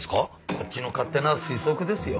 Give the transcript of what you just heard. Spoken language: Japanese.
こっちの勝手な推測ですよ。